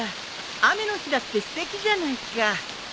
雨の日だってすてきじゃないか。